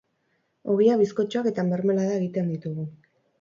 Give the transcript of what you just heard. Ogia, bizkotxoak eta mermelada egiten ditugu.